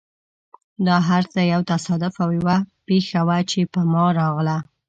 دا هر څه یو تصادف او یوه پېښه وه، چې په ما راغله.